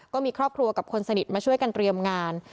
ก็มีครอบครัวกับคนสนิทมาช่วยกันเตรียมงาน